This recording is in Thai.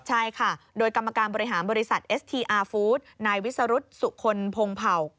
ใช่ค่ะโดยกรรมการบริหารบริษัทเอสทีอาร์ฟู้ดนายวิสรุธสุคลพงเผ่า